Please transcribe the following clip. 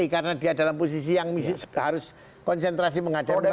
karena dia dalam posisi yang harus konsentrasi menghadapi masalah